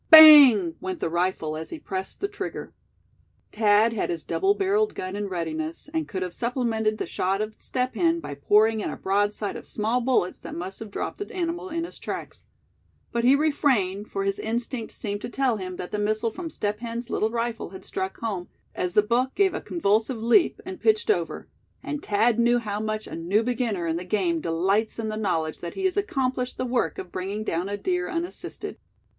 Bang! went the rifle, as he pressed the trigger. Thad had his double barreled gun in readiness, and could have supplemented the shot of Step Hen by pouring in a broadside of small bullets that must have dropped the animal in his tracks. But he refrained, for his instinct seemed to tell him that the missile from Step Hen's little rifle had struck home, as the buck gave a convulsive leap, and pitched over; and Thad knew how much a new beginner in the game delights in the knowledge that he has accomplished the work of bringing down a deer unassisted.